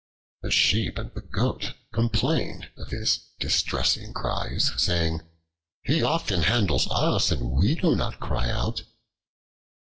The Sheep and the Goat complained of his distressing cries, saying, "He often handles us, and we do not cry out."